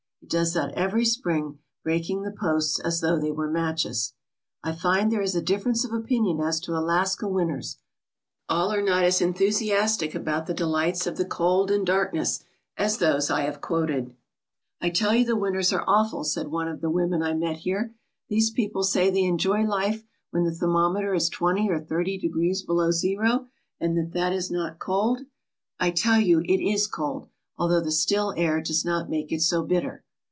It does that every spring, breaking the posts as though they were matches/' I find there is a difference of opinion as to Alaska win 130 WINTER TALES OF TANANA ters. All are not as enthusiastic about the delights of the cold and darkness as those I have quoted. " I tell you the winters are awful/' said one of the wo men I met here. "These people say they enjoy life when the thermometer is twenty or thirty degrees below zero, and that it is not cold. I tell you it is cold, although the still air does not make it so bitter.